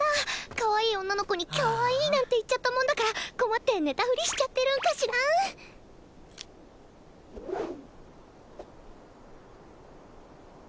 かわいい女の子に「キャワイイ」なんて言っちゃったもんだから困って寝たふりしちゃってるんかしらん？